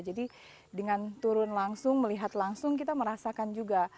jadi dengan turun langsung melihat langsung kita merasakan juga